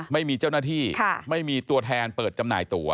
ไม่มีเจ้าหน้าที่ไม่มีตัวแทนเปิดจำหน่ายตัว